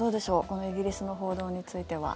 このイギリスの報道については。